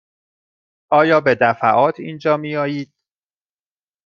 آیا به دفعات اینجا می آیید؟